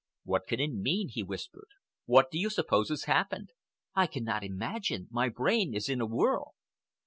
"What can it mean?" he whispered. "What do you suppose has happened?" "I cannot imagine. My brain is in a whirl."